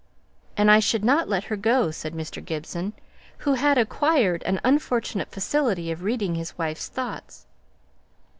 "And I shouldn't let her go," said Mr. Gibson, who had acquired an unfortunate facility of reading his wife's thoughts.